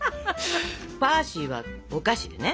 クヮーシーはお菓子でね